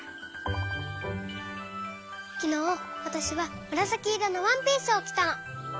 きのうわたしはむらさきいろのワンピースをきたの。